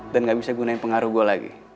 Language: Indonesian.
dan gak bisa gunain pengaruh gue lagi